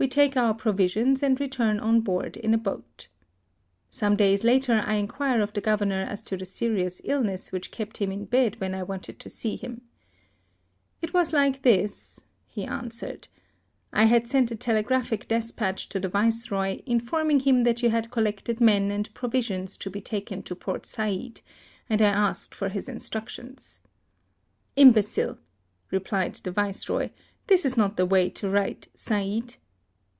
We take our provisions, and return on board in a boat. Some days later I inquire of the governor as to the serious illness which kept him in bed when I wanted to see him. " It was like this," he answered :" I had sent a telegraphic despatch to the Viceroy, inform ing him that you had collected men and provisions to be taken to Port Said; and I asked for his instructions." "Imbecile," replied the Viceroy, " this is not the way to write * Said